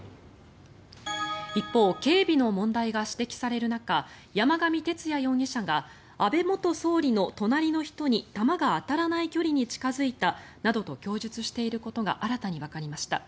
一方警備の問題が指摘される中山上徹也容疑者が安倍元総理の隣の人に弾が当たらない距離に近付いたなどと供述していることが新たにわかりました。